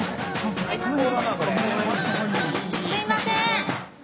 すいません！